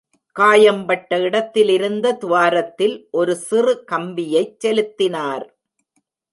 காயம் பட்ட இடத்திலிருந்த துவாரத்தில் ஒரு சிறு கம்பியைச் செலுத்தினார்.